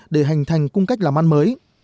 để hành thành cung cách làm ăn mới